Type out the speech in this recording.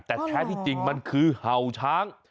แต่แท้ที่จริงมันคือเห่าช้าง